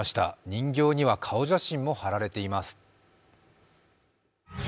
人形には顔写真も貼られています。